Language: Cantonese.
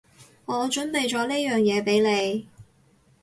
我準備咗呢樣嘢畀你